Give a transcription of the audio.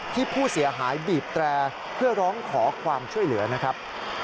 ที่ผู้เสียหายบีบแตรเพื่อร้องขอความช่วยเหลือนะครับ